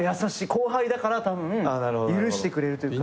後輩だからたぶん許してくれるというか。